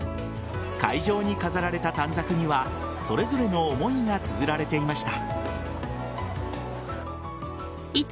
会場に飾られた短冊にはそれぞれの思いがつづられていました。